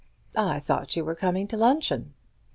"I thought you were coming to luncheon."